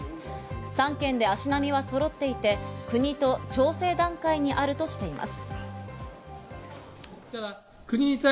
３県で足並みはそろっていて、国と調整段階にあるとしています。